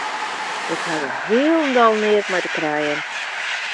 Ik ha dêr hielendal neat mei te krijen.